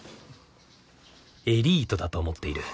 エリートだと思っている。